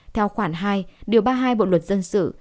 theo khoản hai điều ba mươi hai bộ luật dân sự